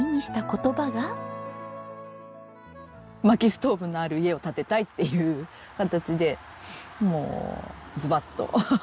薪ストーブのある家を建てたいっていう形でもうズバッと。